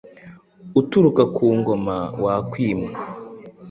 Uturuka ku ngoma ,wakwima :